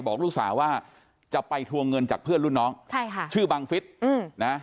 บอกลูกสาวว่าจะไปทวงเงินจากเพื่อนรุ่นน้องใช่ค่ะชื่อบังฟิศนะ